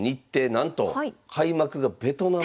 なんと開幕がベトナム。